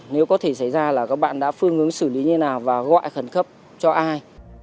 nếu có thể xảy ra là các bạn đã phương hướng xử lý như thế nào và gọi khẩn cấp cho ai